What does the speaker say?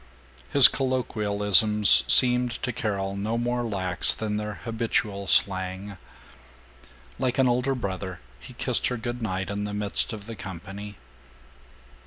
His colloquialisms seemed to Carol no more lax than their habitual slang. Like an older brother he kissed her good night in the midst of the company.